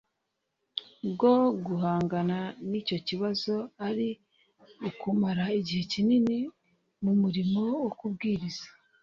Bwo guhangana n icyo kibazo ari ukumara igihe kinini mu murimo wo kubwiriza